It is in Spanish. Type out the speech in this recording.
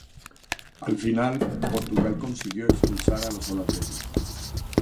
Al final, Portugal consiguió expulsar a los holandeses.